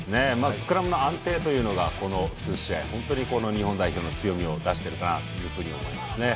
スクラム安定というのがこの数試合、日本代表の強みを出しているなと思いますね。